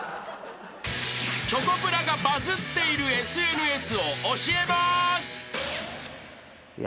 ［チョコプラがバズっているＳＮＳを教えます］